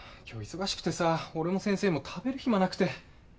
今日忙しくてさ俺も先生も食べる暇なくて。